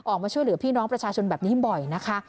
ออกมาช่วยเหลือพี่น้องประชาชนแบบนี้บ่อยนะคะ